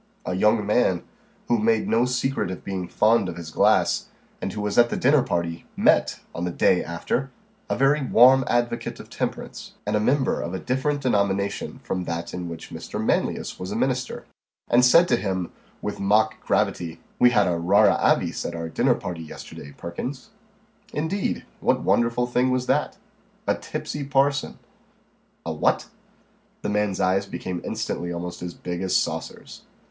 A young man, who made no secret of being fond of his glass, and who was at the dinner party, met, on the day after, a very warm advocate of temperance, and a member of a different denomination from that in which Mr. Manlius was a minister, and said to him, with mock gravity "We had a rara avis at our dinner party yesterday, Perkins." "Indeed. What wonderful thing was that?" "A tipsy parson." "A what?" The man's eyes became instantly almost as big as saucers.